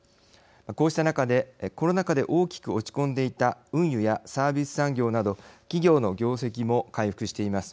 こうした中でコロナ禍で大きく落ち込んでいた運輸やサービス産業など企業の業績も回復しています。